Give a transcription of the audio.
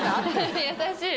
優しい。